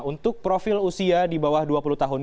untuk profil usia di bawah dua puluh tahun